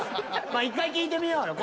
まあ１回聞いてみようよ。